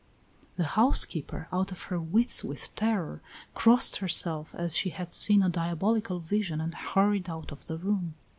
The housekeeper, out of her wits with terror, crossed herself as if she had seen a diabolical vision and hurried out of the room.